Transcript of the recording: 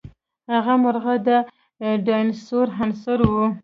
هغه مرغه د ډاینسور عصر وو.